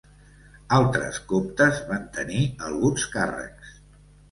Altres coptes van tenir alguns càrrecs.